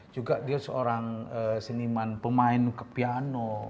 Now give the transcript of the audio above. juga dia seorang seniman pemain ke piano